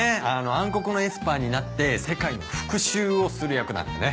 暗黒のエスパーになって世界に復讐をする役なんだよね。